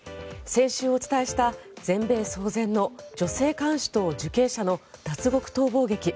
先週お伝えした全米騒然の女性看守と受刑者の脱獄逃亡劇。